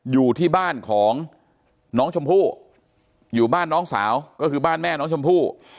อยู่ที่บ้านของน้องชมพู่อยู่บ้านน้องสาวก็คือบ้านแม่น้องชมพู่